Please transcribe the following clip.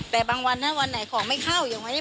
แต่บางวันถ้าวันไหนของไม่เข้าอย่างวันนี้